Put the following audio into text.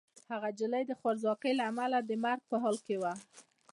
هغه نجلۍ د خوارځواکۍ له امله د مرګ په حال کې وه.